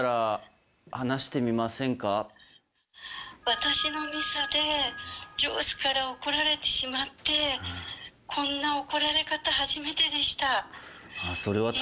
私のミスで上司から怒られてしまってこんな怒られ方、初めてでした。